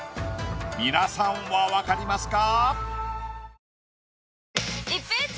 皆さんはわかりますか？